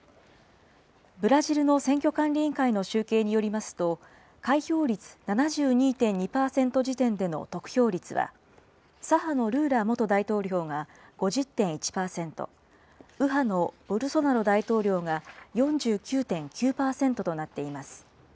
ブラジルの選挙管理委員会の集計によりますと、開票率７２．２％時点での得票率は、左派のルーラ元大統領が５０．１％、右派のボルソナロ大統領が４９．９％となっています。